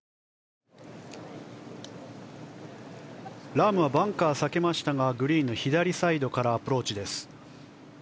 ラームはバンカーを避けましたがグリーンの左サイドからアプローチです。